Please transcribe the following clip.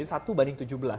jadi satu banding tujuh belas